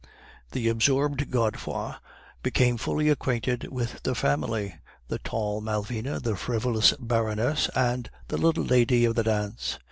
The absorbed Godefroid became fully acquainted with the family the tall Malvina, the frivolous Baroness, and the little lady of the dance.